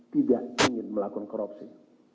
tidak ingin melakukan korupsi